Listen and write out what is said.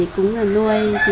cũng được nuôi